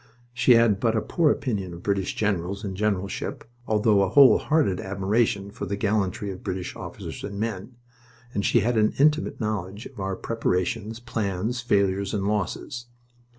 She had but a poor opinion of British generals and generalship, although a wholehearted admiration for the gallantry of British officers and men; and she had an intimate knowledge of our preparations, plans, failures, and losses.